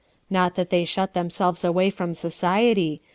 Not that they shut themselves away from society.